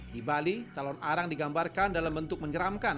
di bali calon arang digambarkan dalam bentuk menyeramkan